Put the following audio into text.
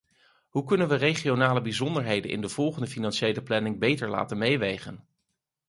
Hoe kunnen we regionale bijzonderheden in de volgende financiële planning beter laten meewegen?